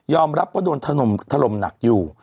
รับว่าโดนถล่มหนักอยู่